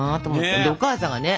お母さんがね